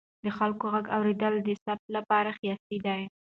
د خلکو غږ اورېدل د ثبات لپاره حیاتي دی